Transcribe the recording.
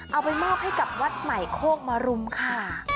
เอาไปมอบให้กับวัดใหม่โคกมรุมค่ะ